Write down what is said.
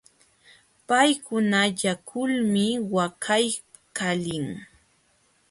Paykuna llakulmi waqaykalin.